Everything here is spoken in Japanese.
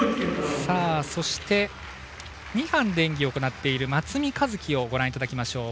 そして、２班で演技している松見一希をご覧いただきましょう。